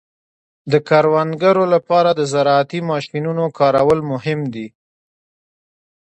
د کروندګرو لپاره د زراعتي ماشینونو کارول مهم دي.